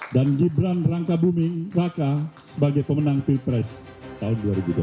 dan gibran raka buming raka sebagai pemenang pilpres tahun dua ribu dua puluh empat